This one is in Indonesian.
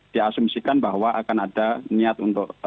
diasumsikan bahwa akan ada niat untuk